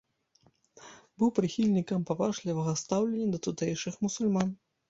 Быў прыхільнікам паважлівага стаўлення да тутэйшых мусульман.